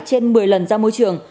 trên một mươi lần ra môi trường